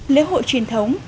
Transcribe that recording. lễ hội truyền thống